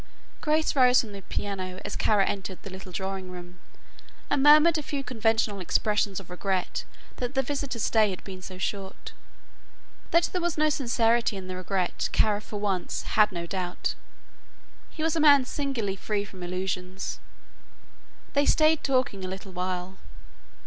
Grace rose from the piano as Kara entered the little drawing room and murmured a few conventional expressions of regret that the visitor's stay had been so short. That there was no sincerity in that regret Kara, for one, had no doubt. He was a man singularly free from illusions. They stayed talking a little while.